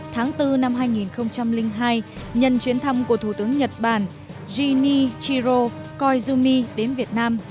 tháng bốn năm hai nghìn hai nhận chuyến thăm của thủ tướng nhật bản jinichiro koizumi đến việt nam